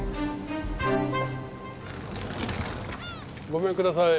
ごめんください。